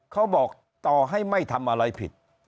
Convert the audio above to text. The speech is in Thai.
เขาบอกต่อให้ไม่ทำอะไรผิด